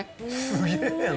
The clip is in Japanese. すげえな。